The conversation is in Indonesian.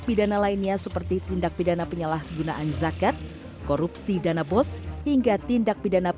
pidana lainnya seperti tindak pidana penyalahgunaan zakat korupsi dana bos hingga tindak pidana